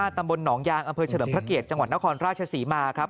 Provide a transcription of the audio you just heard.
ตำบลหนองยางอำเภอเฉลิมพระเกียรติจังหวัดนครราชศรีมาครับ